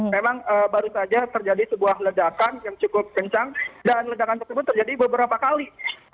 memang baru saja terjadi sebuah ledakan yang cukup kencang dan ledakan tersebut terjadi beberapa kali